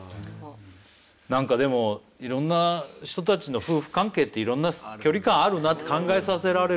何かでもいろんな人たちの夫婦関係っていろんな距離感あるなって考えさせられる。